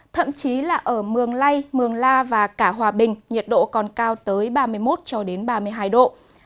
thậm chí là ở mường lây mường la và cả hòa bình nhiệt độ còn cao tới ba mươi một cho đến ba mươi hai độ